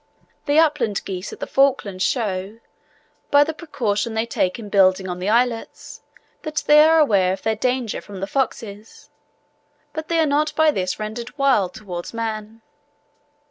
The upland geese at the Falklands show, by the precaution they take in building on the islets, that they are aware of their danger from the foxes; but they are not by this rendered wild towards man.